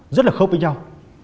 rất là khớp với nhau